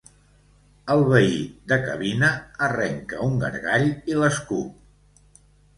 El veí de cabina arrenca un gargall i l'escup.